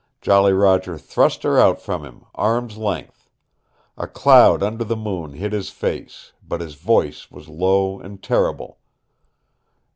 Jolly Roger thrust her out from him, arm's length. A cloud under the moon hid his face. But his voice was low, and terrible.